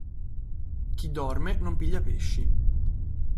Chi dorme non piglia pesci.